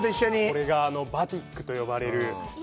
これがバティックと呼ばれる。